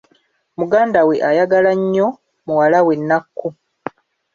Muganda wange ayagala nnyo muwala we Nakku.